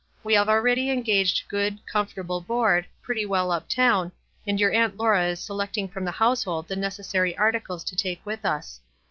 We have already engaged good, comfortable board, pretty well up town, and your Aunt Laura is se lecting from the household the necessary articles to take with us.